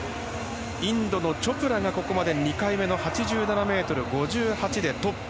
インドのチョプラがここまで２回目の８７ｍ５８でトップ。